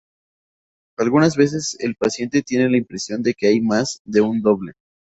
Algunas veces el paciente tiene la impresión de que hay más de un doble.